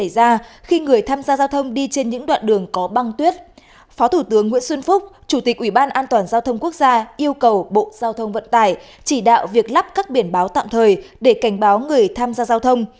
phó thủ tướng nguyễn xuân phúc chủ tịch ủy ban an toàn giao thông quốc gia yêu cầu bộ giao thông vận tải chỉ đạo việc lắp các biển báo tạm thời để cảnh báo người tham gia giao thông